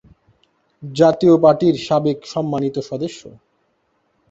জাতীয় পার্টির সাবেক সম্মানিত সদস্য,